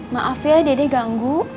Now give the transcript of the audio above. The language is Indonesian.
maaf ya dede ganggu